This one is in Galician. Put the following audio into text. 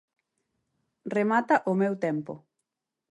Remata o meu tempo.